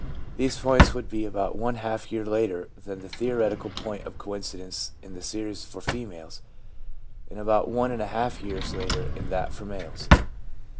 These points would be about one half year later than the theoretical point of coincidence in the series for females, and about one and one half years later in that for males.